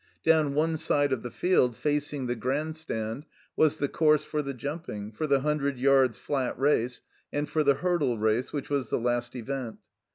Down one side of the field, facing the Grand Stand, was the course for the jumping, for the himdred yards' flat race, and for the hurdle race, which was the last event.